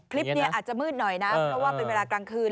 คลิปนี้อาจจะมืดหน่อยนะเพราะว่าเป็นเวลากลางคืน